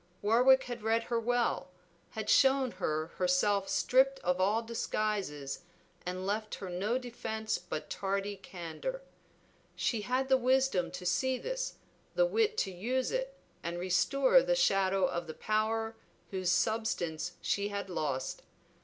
Warwick had read her well, had shown her herself stripped of all disguises, and left her no defence but tardy candor. She had the wisdom to see this, the wit to use it and restore the shadow of the power whose substance she had lost.